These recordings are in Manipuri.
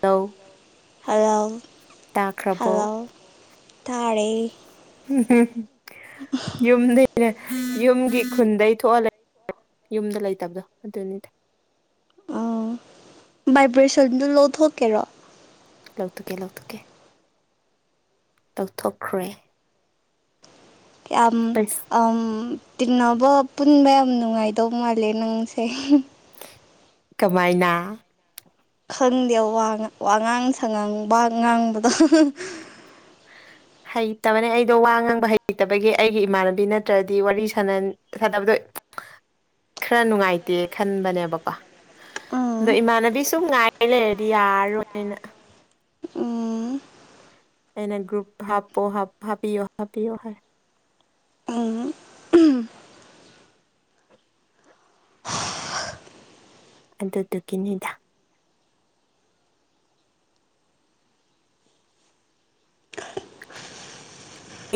ꯇꯧ ꯍꯜꯂꯥꯎ ꯍꯜꯂꯥꯎ ꯇꯥꯔꯦ ꯎꯝ ꯌꯨꯝꯗꯒꯤꯅꯦ ꯌꯨꯝꯒꯤ ꯈꯨꯟꯗꯩ ꯊꯣꯛꯍꯂ ꯌꯨꯝꯗ ꯂꯩꯇꯕꯗꯣ ꯑꯗꯨꯅꯤꯗ ꯑ ꯚꯥꯏꯕ꯭ꯔꯦꯁꯟꯗꯨ ꯂꯧꯊꯣꯛꯀꯦꯔꯣ ꯂꯧꯇꯨꯀꯦ ꯂꯧꯇꯨꯀꯦ ꯂꯧꯊꯣꯛꯈ꯭ꯔꯦ ꯀꯌꯥꯝ ꯇꯤꯟꯅꯕ ꯄꯨꯟꯕ ꯌꯥꯝ ꯅꯨꯡꯉꯥꯏꯗꯧ ꯃꯥꯜꯂꯦ ꯅꯪꯁꯦ ꯀꯃꯥꯏꯅ ꯈꯪꯗꯦ ꯋꯥꯉꯥꯡ ꯁꯉꯥꯡ ꯋꯥ ꯉꯥꯡꯕꯗꯣ ꯍꯩꯇꯕꯅꯦ ꯑꯩꯗꯣ ꯋꯥ ꯉꯥꯡꯕ ꯍꯩꯇꯕꯒꯤ ꯑꯩꯒꯤ ꯏꯃꯥꯟꯅꯕꯤ ꯅꯠꯇ꯭ꯔꯗꯤ ꯋꯥꯔꯤ ꯁꯅ ꯁꯥꯟꯅꯕꯗꯣ ꯈꯔ ꯅꯨꯡꯉꯥꯏꯇꯦ ꯈꯟꯕꯅꯦꯕꯀꯣ ꯑꯗꯣ ꯎꯝ ꯏꯃꯥꯟꯅꯕꯤ ꯁꯨꯝ ꯉꯥꯏꯔ ꯂꯩꯔꯗꯤ ꯌꯥꯔꯣꯏꯅ ꯎꯝ ꯑꯦꯅꯦ ꯭ꯔꯨꯨꯞ ꯍꯥꯄꯣ ꯍꯥ ꯍꯥꯞꯌ ꯍꯥꯄꯌꯑꯣ ꯍꯥꯏ ꯎꯝ ꯑꯗꯨꯗꯨꯒꯤꯅꯤꯗ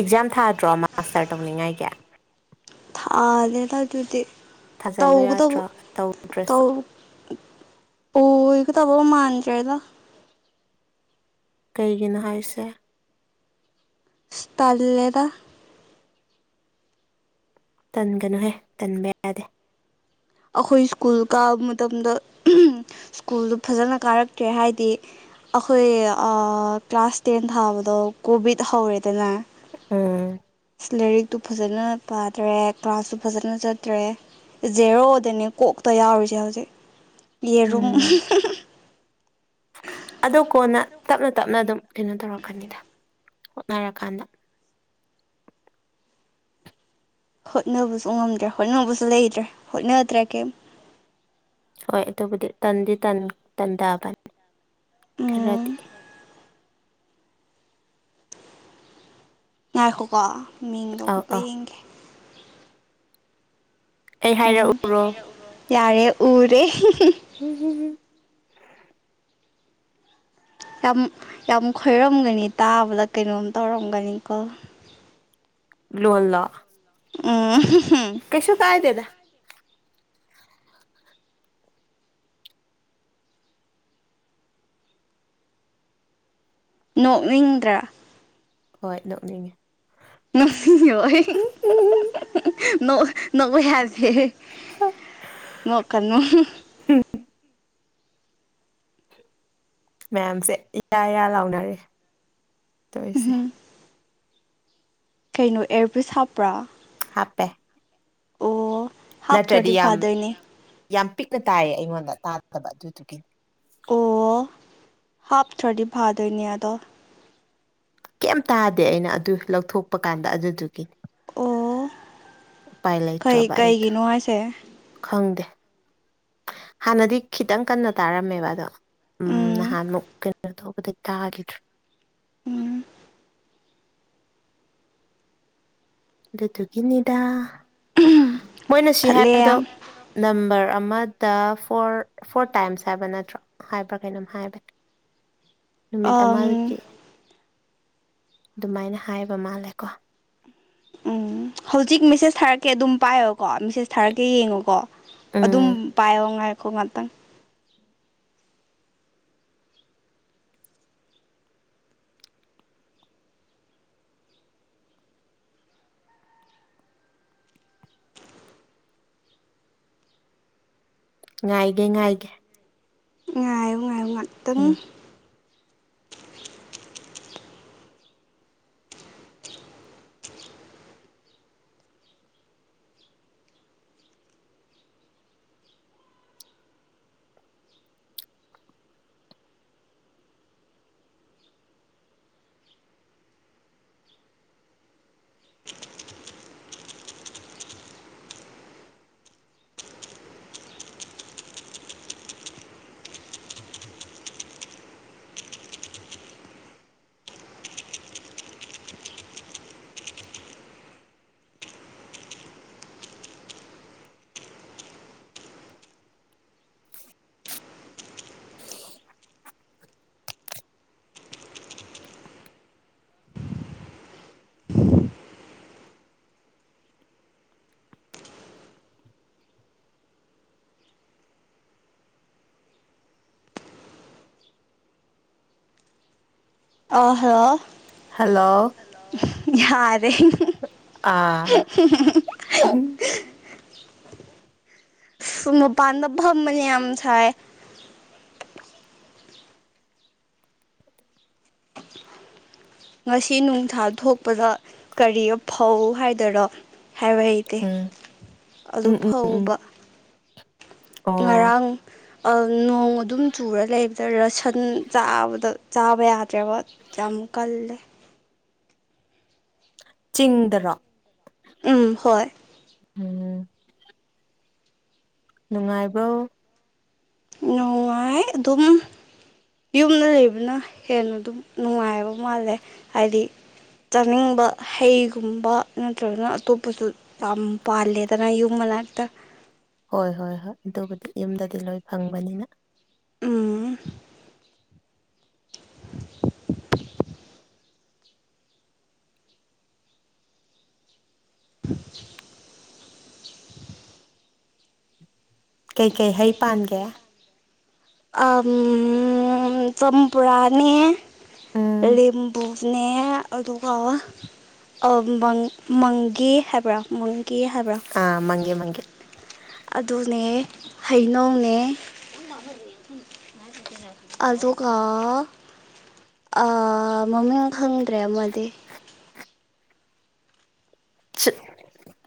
ꯑꯦꯛꯖꯥꯝ ꯊꯥꯗ꯭ꯔꯣ ꯃꯥꯁꯇꯔ ꯇꯧꯅꯤꯡꯉꯥꯏꯒꯤ ꯊꯥꯗꯦꯗ ꯑꯗꯨꯗꯤ ꯊꯥꯖꯤꯜꯂꯨ ꯇꯧꯒꯗꯧꯕ ꯌꯥꯗ꯭ꯔꯥ ꯇꯧꯗ꯭ꯔꯁꯨ ꯑꯣ ꯏ ꯀꯇꯕ ꯃꯅ ꯆꯥꯗ ꯀꯩꯒꯤꯅꯣ ꯍꯥꯏꯁꯦ ꯇꯜꯦꯗ ꯇꯟꯒꯅꯨꯍꯦ ꯇꯟꯕ ꯌꯥꯗꯦ ꯑꯩꯈꯣꯏ ꯁ꯭ꯀꯨꯜ ꯀꯥꯕ ꯃꯇꯝꯗ ꯁ꯭ꯀꯨꯜꯗꯨ ꯐꯖꯅ ꯀꯥꯔꯛꯇ꯭ꯔꯦ ꯍꯥꯏꯗꯤ ꯑꯩꯈꯣꯏ ꯀ꯭ꯂꯥꯁ ꯇꯦꯟ ꯊꯥꯕꯗꯣ ꯀꯣꯚꯤꯠ ꯍꯧꯔꯦꯗꯅ ꯎꯝ ꯂꯥꯏꯔꯤꯛꯇꯨ ꯐꯖꯅ ꯄꯥꯗ꯭ꯔꯦ ꯀ꯭ꯂꯥꯁꯁꯨ ꯐꯖꯅ ꯆꯠꯇ꯭ꯔꯦ ꯖꯦꯔꯣꯗꯅꯦ ꯀꯣꯛꯇ ꯌꯥꯎꯔꯤꯁꯦ ꯍꯧꯖꯤꯛ ꯌꯦꯔꯨꯝ ꯎꯝ ꯑꯗꯨ ꯀꯣꯟꯅ ꯇꯞꯅ ꯇꯞꯅ ꯑꯗꯨꯝ ꯀꯩꯅꯣ ꯇꯧꯔꯛꯀꯅꯤꯗ ꯍꯣꯠꯅꯔꯀꯥꯟꯗ ꯍꯣꯠꯅꯕꯁꯨ ꯉꯝꯗ꯭ꯔꯦ ꯍꯣꯠꯅꯕꯁꯨ ꯂꯩꯇ꯭ꯔꯦ ꯍꯣꯠꯅꯗ꯭ꯔꯦ ꯀꯔꯤ ꯍꯣꯏ ꯑꯗꯨꯕꯨꯗꯤ ꯇꯟꯗꯤ ꯇꯟꯊꯕꯅꯤ ꯈꯔꯗꯤ ꯎꯝ [inaudible] ꯉꯥꯏꯈꯣꯀꯣ ꯃꯤꯡꯗꯣ ꯑꯧ ꯑꯃꯨꯛꯀ ꯑꯧ ꯌꯦꯡꯒꯦ ꯑꯩ ꯎꯝ ꯍꯥꯏꯔꯛꯎꯔꯣ ꯌꯥꯔꯦ ꯎꯔꯦ ꯎꯝ ꯎꯝꯝ ꯌꯥꯝ ꯌꯥꯝ ꯈꯣꯏꯔꯝꯒꯅꯤ ꯇꯥꯕꯗ ꯀꯩꯅꯣꯝ ꯇꯧꯔꯝꯒꯅꯤꯀꯣ ꯂꯨꯜꯂ ꯑ ꯀꯩꯁꯣ ꯀꯥꯏꯗꯦꯗ ꯅꯣꯛꯅꯤꯡꯗ꯭ꯔꯥ ꯍꯣꯏ ꯅꯣꯛꯅꯤꯡꯉꯤ ꯅꯁꯤ ꯍꯣꯏ ꯅ ꯍ ꯐ ꯅ ꯀꯕꯨ ꯃꯌꯥꯝꯁꯦ ꯏꯌꯥ ꯏꯌꯥ ꯂꯥꯎꯅꯔꯦ ꯇꯧꯔꯤꯁꯦ ꯀꯩꯅꯣ ꯑꯦꯌꯔꯕꯤꯁ ꯍꯥꯞꯄ꯭ꯔꯥ ꯍꯥꯄꯦ ꯑꯣ ꯅꯠꯇ꯭ꯔꯗꯤ ꯍꯥꯞꯇ꯭ꯔꯗꯤ ꯌꯥꯝ ꯐꯥꯗꯣꯏꯅꯦ ꯌꯥꯝ ꯄꯤꯛꯅ ꯇꯥꯏꯌꯦ ꯑꯩꯉꯣꯟꯗ ꯇꯥꯗꯕ ꯑꯗꯨꯗꯨꯒꯤ ꯑꯣ ꯍꯥꯞꯇ꯭ꯔꯗꯤ ꯐꯥꯗꯣꯏꯅꯦ ꯑꯗꯣ ꯀꯩꯝ ꯇꯥꯗꯦ ꯑꯩꯅ ꯑꯗꯨ ꯂꯧꯊꯣꯛꯄ ꯀꯥꯟꯗ ꯑꯗꯨꯗꯨꯒꯤꯅꯤ ꯑꯣ ꯎꯄꯥꯏ ꯀꯩ ꯂꯩꯇ꯭ꯔꯕ ꯑꯩꯗꯣ ꯀꯩꯒꯤꯅꯣ ꯍꯥꯏꯁꯦ ꯈꯪꯗꯦ ꯍꯥꯟꯅꯗꯤ ꯈꯤꯇꯪ ꯀꯟꯅ ꯇꯥꯔꯝꯃꯦꯕ ꯑꯗꯣ ꯎꯝ ꯅꯍꯥꯟꯃꯨꯛ ꯀꯩꯅꯣ ꯔ ꯊꯣꯛꯧꯕꯗꯇꯥ ꯎꯝ ꯑꯗꯨꯗꯗꯨꯒꯤꯅꯤꯗꯥ ꯃꯣꯏꯅ ꯁꯤ ꯈꯠꯂꯦ ꯍꯥꯏꯕꯗꯣ ꯑꯝ ꯅꯝꯕꯔ ꯑꯃ ꯗ ꯐꯣꯔ ꯐꯣꯔ ꯇꯥꯏꯝꯁ ꯍꯥꯏꯕ ꯅꯠꯇ꯭ꯔꯣ ꯍꯥꯏꯕ꯭ꯔꯥ ꯀꯩꯅꯣꯝ ꯍꯥꯏꯕ ꯅꯨꯃꯤꯠ ꯑꯃꯗꯒꯤ ꯑꯗꯨꯃꯥꯏꯅ ꯍꯥꯏꯕ ꯃꯥꯜꯂꯦꯀꯣ [unintelligible] [inaudible] ꯎꯝ ꯍꯧꯖꯤꯛ ꯃꯦꯁꯦꯁ ꯊꯥꯔꯛꯀꯦ ꯑꯗꯨꯝ ꯄꯥꯏꯌꯣꯀꯣ ꯃꯦꯁꯦꯁ ꯊꯥꯔꯛꯀꯦ ꯌꯦꯡꯉꯣꯀꯣ ꯑꯗꯨꯝ ꯎꯝ ꯄꯥꯏꯌꯣ ꯉꯥꯏꯈꯣ ꯉꯥꯛꯇꯪ ꯉꯥꯏꯒꯦ ꯉꯥꯏꯒꯦ ꯉꯥꯏꯌꯨ ꯉꯥꯏꯌꯨ ꯉꯥꯛꯇꯪ ꯎꯝ ꯑꯍꯣ ꯍꯜꯂꯣ ꯌꯥꯔꯦ ꯑꯥ ꯎꯝ ꯃꯄꯥꯟꯗ ꯐꯝꯕꯅꯦ ꯌꯥꯝ ꯁꯥꯏ ꯉꯁꯤ ꯅꯨꯡꯁꯥ ꯊꯣꯛꯄꯗ ꯀꯔꯤ ꯐꯧ ꯍꯥꯏꯗꯔ ꯍꯥꯏꯕ ꯍꯩꯇꯦ ꯎꯝ ꯑꯗꯨ ꯎꯝ ꯎꯝ ꯎꯝ ꯐꯥꯎꯕ ꯑꯣ ꯉꯔꯥꯡ ꯅꯣꯡ ꯑꯗꯨꯝ ꯆꯨꯔ ꯂꯩꯕꯗ ꯔꯁꯟ ꯆꯥꯕꯗ ꯆꯥꯕ ꯌꯥꯗ ꯋꯥꯠ ꯆꯝꯀꯜꯂꯦ ꯆꯤꯡꯗꯔ ꯎꯝ ꯍꯣꯏ ꯎꯝ ꯅꯨꯡꯉꯥꯏꯕꯧ ꯅꯨꯡꯉꯥꯏ ꯑꯗꯨꯝ ꯌꯨꯝꯗ ꯂꯩꯕꯅ ꯍꯦꯟꯅ ꯑꯗꯨꯝ ꯅꯨꯡꯉꯥꯏꯕ ꯃꯥꯜꯂꯦ ꯍꯥꯏꯗꯤ ꯆꯥꯅꯤꯡꯕ ꯍꯩꯒꯨꯝꯕ ꯅꯠꯇ꯭ꯔꯒꯅ ꯑꯇꯣꯞꯄꯁꯨ ꯌꯥꯝ ꯄꯥꯜꯂꯦꯗꯅ ꯌꯨꯝ ꯐ꯭ꯂꯠꯇ ꯍꯣꯏ ꯍꯣꯏ ꯍꯣꯏ ꯑꯗꯨꯕꯨꯗꯤ ꯌꯨꯝꯗꯗꯤ ꯂꯣꯏ ꯐꯪꯕꯅꯤꯅ ꯎꯝ [unintelligible] [inaudible] ꯀꯩꯀꯩ ꯍꯩ ꯄꯥꯟꯒꯦ ꯑꯝ ꯁꯝ ꯄꯨꯔꯥꯅꯤ ꯎꯝ ꯂꯦꯝꯕꯨꯅꯦ ꯑꯗꯨꯒꯪ ꯃꯪꯒꯤ ꯍꯥꯏꯕ꯭ꯔꯥꯪ ꯍꯥꯏꯕ꯭ꯔꯥ ꯑꯥ ꯃꯪꯒꯦ ꯃꯪꯒꯦ ꯑꯗꯨꯅꯦ ꯍꯩꯅ [unintelligible] ꯑꯗꯨ ꯀ ꯃꯃꯤꯡ ꯈꯪꯗ꯭ꯔꯦ ꯑꯃꯗꯤ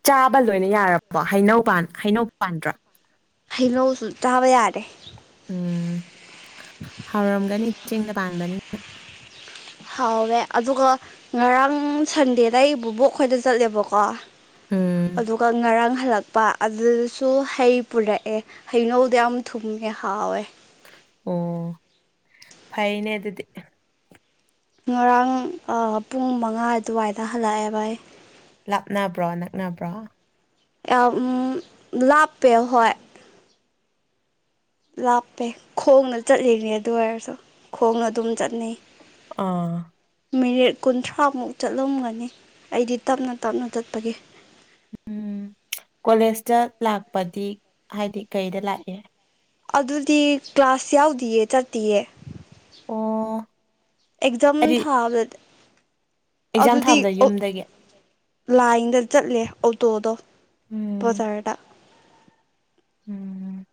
ꯆꯥꯕ ꯂꯣꯏꯅ ꯌꯥꯔꯕꯣ ꯍꯩꯅꯧꯥꯟ ꯍꯩꯅꯧ ꯄꯥꯟꯗ꯭ꯔꯥ ꯍꯩꯅꯧꯁꯨ ꯆꯥꯕ ꯌꯥꯔꯦ ꯎꯝ ꯍꯥꯎꯔꯝꯒꯅꯤ ꯆꯤꯡꯗ ꯄꯥꯟꯕꯅꯤꯅ ꯍꯥꯎꯋꯦ ꯑꯗꯨꯒ ꯉꯔꯥꯡ ꯁꯟꯗꯦꯗ ꯑꯩꯕꯨꯕꯣꯛ ꯑꯩꯈꯣꯏꯗ ꯆꯠꯂꯦꯕꯀꯣ ꯎꯝ ꯑꯗꯨꯒ ꯉꯔꯥꯡ ꯍꯜꯂꯛꯄ ꯑꯗꯨꯗꯁꯨ ꯍꯩ ꯄꯨꯔꯛꯑꯦ ꯍꯩꯅꯧꯗꯣ ꯌꯥꯝ ꯊꯨꯝꯃꯦ ꯍꯥꯎꯋꯦ ꯑꯣ ꯐꯥꯏꯩꯅ ꯑꯗꯨꯗꯤ ꯉꯔꯥꯡ ꯄꯨꯡ ꯃꯉꯥ ꯑꯗꯨꯋꯥꯏꯗ ꯍꯜꯂꯛꯑꯦꯕ ꯑꯩ ꯂꯥꯞꯅꯕ꯭ꯔꯣ ꯅꯛꯅꯕ꯭ꯔꯣ ꯂꯞ ꯄꯦ ꯍꯣꯏ ꯂꯥꯞꯄꯦ ꯈꯣꯡꯅ ꯆꯠꯂꯤꯅꯦ ꯑꯗꯨ ꯑꯣꯏꯔꯁꯨ ꯈꯣꯡꯅ ꯑꯗꯨꯝ ꯆꯠꯅꯩ ꯑꯥ ꯃꯤꯅꯤꯠ ꯀꯨꯟꯊ꯭ꯔꯥꯃꯨꯛ ꯆꯠꯂꯝꯒꯅꯤ ꯑꯩꯗꯤ ꯇꯞꯅ ꯇꯞꯅ ꯆꯠꯄꯒꯤꯦ ꯎꯝ ꯀꯣꯂꯦꯖꯇ ꯂꯥꯛꯄꯗꯤ ꯍꯥꯏꯗꯤ ꯀꯩꯗ ꯂꯥꯛꯑꯦ ꯑꯗꯨꯗꯤ ꯀ꯭ꯂꯥꯁ ꯌꯥꯎꯗꯌꯦ ꯆꯠꯇꯌꯦ ꯑꯣ ꯑꯦꯛꯖꯥꯝ ꯑꯩꯗꯤ ꯊꯥꯕ꯭ꯔꯗ ꯑꯦꯛꯖꯥꯝ ꯊꯥꯕꯗ ꯌꯨꯝꯗꯒꯤ ꯂꯥꯏꯟꯗ ꯆꯠꯂꯦ ꯑꯣꯛꯇꯣꯗꯣ ꯎꯝ ꯕꯖꯥꯔꯗ ꯎꯝ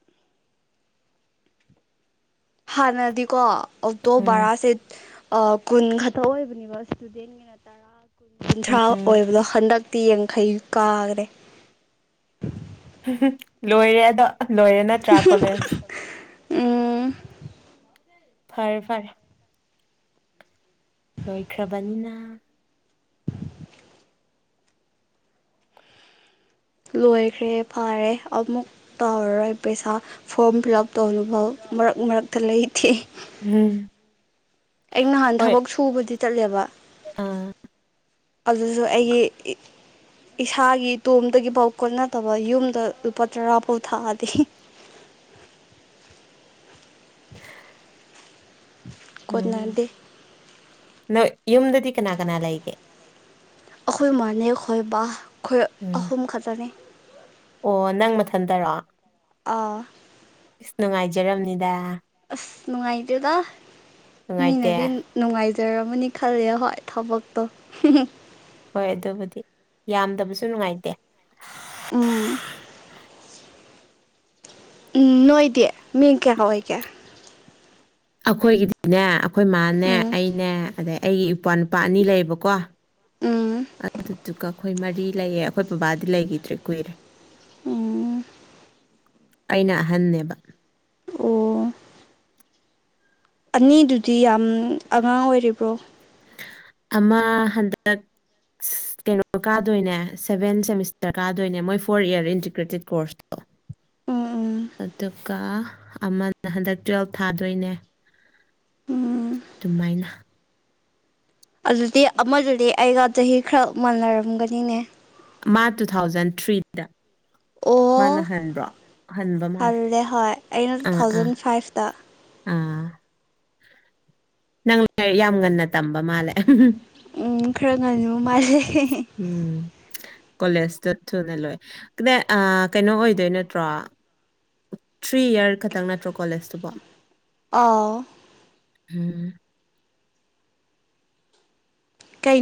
ꯍꯥꯟꯅꯗꯤꯀꯣ ꯑꯧꯇꯣ ꯎꯝ ꯕꯔꯥꯁꯦꯠ ꯑ ꯀꯨꯟ ꯈꯠꯇ ꯑꯣꯏꯕꯅꯦꯕ ꯏꯁꯇꯨꯗꯦꯟꯒꯤꯅ ꯇꯔꯥ ꯀꯨꯟ ꯀꯨꯟꯊ꯭ꯔꯥ ꯎꯝ ꯑꯣꯏꯕꯗꯣ ꯍꯟꯗꯛ ꯇꯤ ꯌꯦꯡꯈꯩ ꯀꯥꯒꯔꯦ ꯍꯍꯝ ꯂꯣꯏꯔꯦ ꯑꯗꯣ ꯂꯣꯏꯔꯦ ꯅꯠꯇ꯭ꯔꯥ ꯀꯣꯂꯦꯖ ꯎꯝ ꯐꯔꯦ ꯐꯔꯦ ꯂꯣꯏꯈ꯭ꯔꯕꯅꯤꯅ ꯂꯣꯏꯈ꯭ꯔꯦ ꯐꯔꯦ ꯑꯃꯨꯛ ꯇꯧꯔꯔꯣꯏ ꯄꯩꯁꯥ ꯐꯣꯔꯝ ꯐꯤꯜꯂꯞ ꯇꯧꯅꯕꯥꯎ ꯃꯔꯛ ꯃꯔꯛꯇ ꯂꯩꯊꯦ ꯎꯝ ꯑꯩ ꯅꯍꯥꯟ ꯍꯣꯏ ꯊꯕꯛ ꯁꯨꯕꯗꯤ ꯇꯠꯂꯦꯕ ꯑꯥ ꯑꯗꯨꯁꯨ ꯑꯩꯒꯤ ꯏ ꯏꯁꯥꯒꯤ ꯏ ꯇꯣꯝꯗꯒꯤ ꯕꯥꯎ ꯀꯣꯟꯅꯗꯕ ꯌꯨꯝꯗ ꯂꯨꯄꯥ ꯇꯔꯥꯐꯥꯎ ꯊꯥꯗꯤ [inaudible] ꯎꯝ ꯀꯣꯟꯅꯗꯦ ꯅꯣꯏ ꯌꯨꯝꯗꯗꯤ ꯀꯅꯥ ꯀꯅꯥ ꯂꯩꯒꯦ ꯑꯈꯣꯏ ꯃꯥꯅꯦ ꯈꯣꯏ ꯕꯥ ꯈꯣꯏ ꯎꯝ ꯑꯍꯨꯝ ꯈꯇꯅꯤ ꯑꯣ ꯅꯪ ꯃꯊꯟꯇꯔꯑꯣ ꯑꯥ ꯀꯦꯔꯝꯅꯤꯗ ꯑꯁ ꯅꯨꯡꯉꯥꯏꯗꯦꯗ ꯅꯨꯡꯉꯥꯏꯇꯦ ꯃꯤꯅꯗꯤ ꯅꯨ ꯅꯨꯡꯉꯥꯏ ꯖꯔꯝꯃꯅꯤ ꯈꯜꯂꯦ ꯍꯣꯏ ꯊꯕꯛꯇꯣ ꯍꯍꯝ ꯍꯣꯏ ꯑꯗꯨꯕꯨꯗꯤ ꯌꯥꯝꯗꯕꯁꯨ ꯅꯨꯡꯉꯥꯏꯇꯦ ꯎꯝ ꯎꯝ ꯅꯣꯏꯗꯤ ꯃꯤꯡ ꯀꯌꯥꯒ ꯑꯣꯏꯒꯦ ꯑꯈꯣꯏꯒꯤꯗꯤꯅꯦ ꯑꯩꯈꯣꯏ ꯃꯥꯅꯦ ꯎꯝ ꯑꯩꯅꯦ ꯑꯗꯩ ꯑꯩꯒꯤ ꯏꯄꯨꯋꯥ ꯅꯨꯄꯥ ꯑꯅꯤ ꯂꯩꯌꯦꯕꯀꯣ ꯎꯝ ꯑꯗꯨꯗꯨꯒ ꯑꯈꯣꯏ ꯃꯔꯤ ꯂꯩꯌꯦ ꯑꯩꯈꯣꯏ ꯄꯕꯥꯗꯤ ꯂꯩꯒꯤꯗ꯭ꯔꯦ ꯀꯨꯏꯔꯦ ꯎꯝ ꯑꯩꯅ ꯑꯍꯟꯅꯦꯕ ꯑꯣ ꯑꯅꯤꯗꯨꯗꯤ ꯌꯥꯝ ꯑꯉꯥꯡ ꯑꯣꯏꯔꯤꯕ꯭ꯔꯣ ꯑꯃ ꯍꯟꯗꯛ ꯀꯩꯅꯣ ꯀꯥꯗꯣꯏꯅꯦ ꯁꯦꯚꯦꯟ ꯁꯦꯃꯤꯁꯇꯔ ꯀꯥꯗꯣꯏꯅꯦ ꯃꯣꯏ ꯐꯣꯔ ꯏꯌꯥꯔ ꯏꯟꯇꯤꯒ꯭ꯔꯦꯇꯦꯠ ꯀꯣꯔꯁꯇꯣ ꯎꯝ ꯎꯝ ꯑꯗꯨꯒ ꯑꯃꯅ ꯍꯟꯗꯛ ꯇꯨꯋꯜꯐ ꯊꯥꯗꯣꯏꯅꯦ ꯎꯝ ꯑꯗꯨꯃꯥꯏꯅ ꯑꯗꯨꯗꯤ ꯑꯃꯗꯨꯗꯤ ꯑꯩꯍ ꯆꯍꯤ ꯈꯔ ꯃꯅꯔꯝꯒꯅꯤꯅꯦ ꯃꯥ ꯇꯨꯊꯥꯎꯖꯟ ꯊ꯭ꯔꯤꯗ ꯃꯥꯅ ꯑꯣ ꯍꯟꯕ꯭ꯔꯣ ꯍꯟꯕ ꯃꯥꯜꯂꯦ ꯍꯜꯂꯦ ꯍꯣꯏ ꯑꯩꯅ ꯇꯨ ꯊꯥꯎꯖꯟ ꯐꯥꯏꯚꯇ ꯑ ꯅꯪ ꯂꯥꯏꯤꯛ ꯌꯥꯝ ꯉꯟꯅ ꯇꯝꯕ ꯃꯥꯂꯦ ꯑꯍꯝꯎꯝ ꯎꯝ ꯈꯔ ꯉꯟꯕ ꯃꯥꯜꯂꯦ ꯎꯝ ꯀꯣꯂꯦꯖꯇ ꯊꯨꯅ ꯂꯣꯏ ꯀꯗꯥꯏ ꯑ ꯀꯩꯅꯣ ꯑꯣꯏꯗꯣꯏ ꯅꯠꯇ꯭ꯔꯣ ꯊ꯭ꯔꯤ ꯏꯌꯔ ꯈꯇꯪ ꯅꯠꯇ꯭ꯔꯣ ꯀꯣꯂꯦꯖꯇꯨꯕꯣ ꯑꯥꯎ ꯎꯝ ꯀꯩ